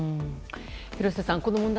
廣瀬さん、この問題